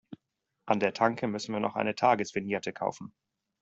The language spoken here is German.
An der Tanke müssen wir noch eine Tagesvignette kaufen.